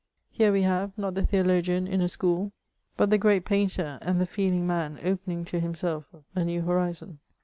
Here we have, not the theologian in a school. 418 MEMOmS OF but the great painter and the feeling man opening to himself a new horizon.